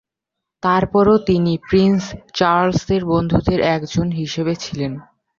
তারপরও তিনি প্রিন্স চার্লসের বন্ধুদের একজন হিসেবে ছিলেন।